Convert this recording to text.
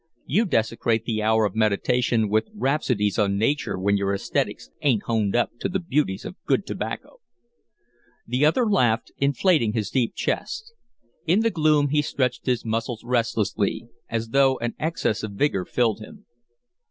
You desecrate the hour of meditation with rhapsodies on nature when your aesthetics ain't honed up to the beauties of good tobacco." The other laughed, inflating his deep chest. In the gloom he stretched his muscles restlessly, as though an excess of vigor filled him.